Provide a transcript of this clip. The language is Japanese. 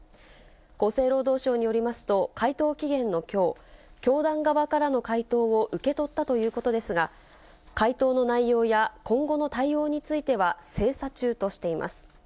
厚生労働省によりますと、回答期限のきょう、教団側からの回答を受け取ったということですが、回答の内容や今後の対応については精査中としています。